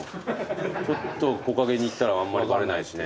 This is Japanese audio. ちょっと木陰に行ったらあんまりバレないしね。